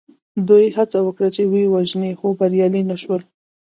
دوی هڅه وکړه چې ویې وژني خو بریالي نه شول.